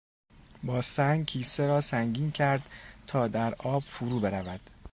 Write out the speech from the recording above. با سنگ کیسه را سنگین کرد تا در آب فرو برود.